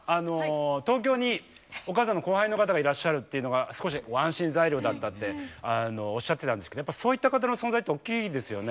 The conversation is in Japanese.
東京にお母さんの後輩の方がいらっしゃるっていうのが少し安心材料だったっておっしゃってたんですけどやっぱそういった方の存在って大きいですよね？